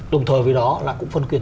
đồng thời với đó là cũng phân quyền